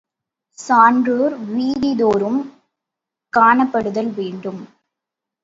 சான்றோர் வீதிதோறும் காணப்படுதல் வேண்டும்.